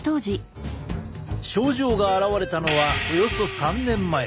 症状が現れたのはおよそ３年前。